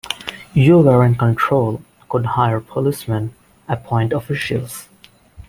You were in control, could hire policeman, appoint officials.